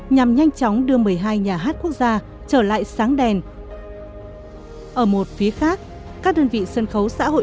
nhằm nhanh chóng đưa một mươi hai nhà hát quốc gia trở lại sáng đèn ở một phía khác các đơn vị sân khấu xã hội